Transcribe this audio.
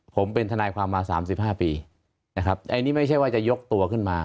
ผมเป็นทนายความมา๓๕ปีนะครับอันนี้ไม่ใช่ว่าจะยกตัวขึ้นมา